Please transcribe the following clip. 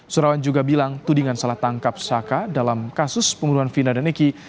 surawan juga bilang tudingan salah tangkap saka dalam kasus pembunuhan vina dan niki